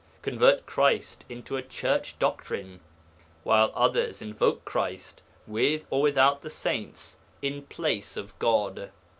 convert Christ into a church doctrine), while others invoke Christ, with or without the saints, in place of God.